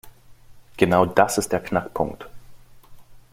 Genau das ist der Knackpunkt.